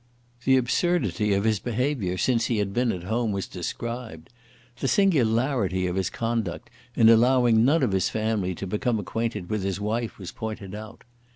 The absurdity of his behaviour since he had been at home was described. The singularity of his conduct in allowing none of his family to become acquainted with his wife was pointed out.